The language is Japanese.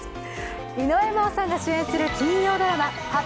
井上真央さんが主演する金曜ドラマ発表